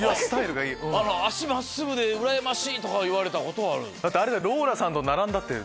「脚真っすぐでうらやましい」と言われたことはある。